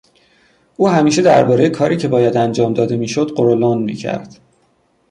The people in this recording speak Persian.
او همیشه دربارهی کاری که باید انجام داده میشد غرولند میکرد.